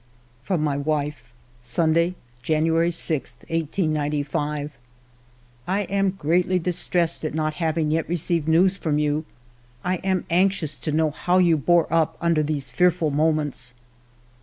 From my wife :—Sunday, January 6, 1895. " I am greatly distressed at not having yet re ceived news from you. I am anxious to know how you bore up under those fearful moments.